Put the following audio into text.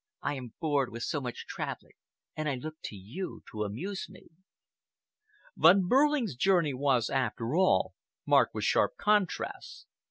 I am bored with so much traveling, and I look to you to amuse me." Von Behrling's journey was, after all, marked with sharp contrasts.